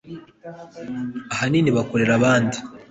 ahanini bakorera abandi